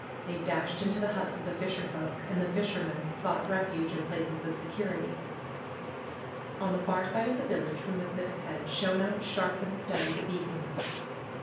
They dashed into the huts of the fisherfolk. And the fishermen sought refuge in places of security. On the far side of the village from the cliff^s head shone out shar}) and steady the beacon light.